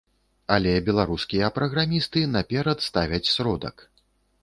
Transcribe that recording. Але беларускія праграмісты наперад ставяць сродак.